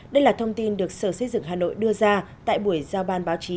đây là thông tin được sở xây dựng hà nội đưa ra tại buổi giao ban báo chí